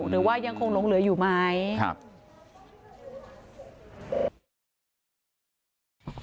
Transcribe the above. หรือว่ายังคงลงเหลืออยู่มายนะครับครับ